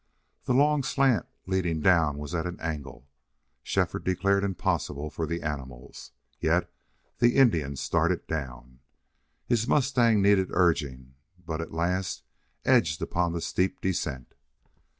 The long slant leading down was at an angle Shefford declared impossible for the animals. Yet the Indian started down. His mustang needed urging, but at last edged upon the steep descent.